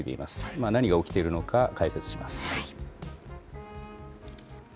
今、何が起きているのか解説します。